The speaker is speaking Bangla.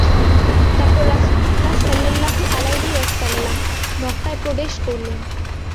তারপর রাসূলুল্লাহ সাল্লাল্লাহু আলাইহি ওয়াসাল্লাম মক্কায় প্রবেশ করলেন।